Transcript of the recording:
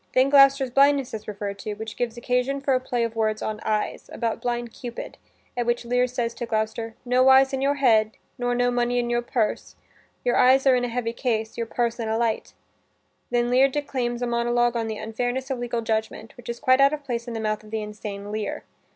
Then Gloucester's blindness is referred to, which gives occasion for a play of words on eyes, about blind Cupid, at which Lear says to Gloucester, "No eyes in your head, nor no money in your purse? Your eyes are in a heavy case, your purse in a light." Then Lear declaims a monolog on the unfairness of legal judgment, which is quite out of place in the mouth of the insane Lear.